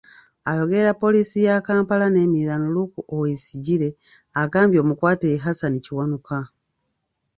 Ayogerera Poliisi ya Kampala n'emiriraano Luke Owoyesigyire agambye omukwate ye Hassan Kiwanuka.